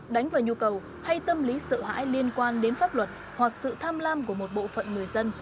đánh vào nhu cầu hay tâm lý sợ hãi liên quan đến pháp luật hoặc sự tham lam của một bộ phận người dân